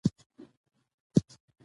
تاریخ د خوښۍ او خپګان سره ګډ دی.